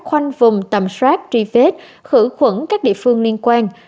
khoanh vùng tầm soát truy vết khử khuẩn các địa phương liên quan